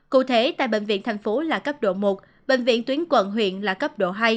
cụ thể tại bệnh viện thành phố là cấp độ một bệnh viện tuyến quận huyện là cấp độ hai